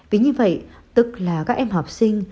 vì như vậy tức là các em học sinh